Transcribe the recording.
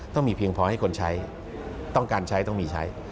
ต้องมีเพียงพอให้คนใช้ต้องการใช้ต้องมีใช้